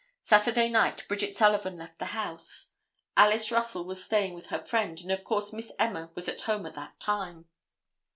Saturday night Bridget Sullivan left the house. Alice Russell was staying with her friend, and of course Miss Emma was at home at that time.